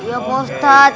iya pak ustadz